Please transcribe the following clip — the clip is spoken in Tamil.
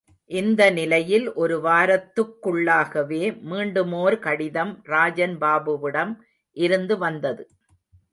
இந்த நிலையில் ஒருவாரத்துக்குள்ளாகவே, மீண்டுமோர் கடிதம் ராஜன் பாபுவிடம் இருந்து வந்தது.